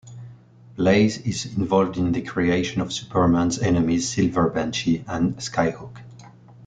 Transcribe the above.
Blaze is involved in the creation of Superman's enemies Silver Banshee and Skyhook.